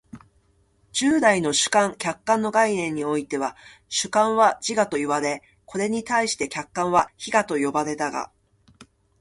従来の主観・客観の概念においては、主観は自我といわれ、これに対して客観は非我と呼ばれたが、